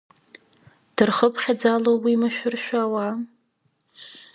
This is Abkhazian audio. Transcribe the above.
Дырхыԥхьаӡалоу уи машәыршәа ауаа?